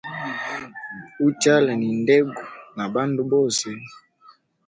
Uchala ni ndego na bandu bose.